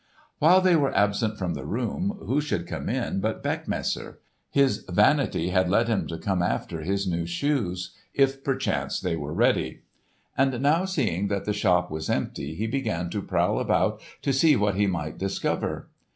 While they were absent from the room, who should come in but Beckmesser. His vanity had led him to come after his new shoes, if perchance they were ready; and now seeing that the shop was empty he began to prowl about to see what he might discover.